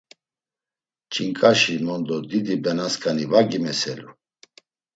Ç̌inǩaşi mondo didi benasǩani va gimeselu.